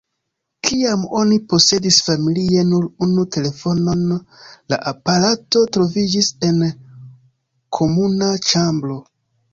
Kiam oni posedis familie nur unu telefonon, la aparato troviĝis en komuna ĉambro.